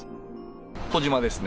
小島ですね。